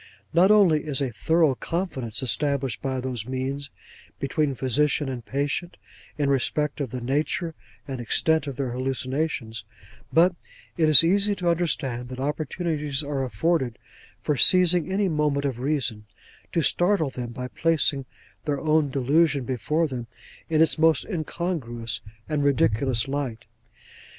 Not only is a thorough confidence established, by those means, between the physician and patient, in respect of the nature and extent of their hallucinations, but it is easy to understand that opportunities are afforded for seizing any moment of reason, to startle them by placing their own delusion before them in its most incongruous and ridiculous light.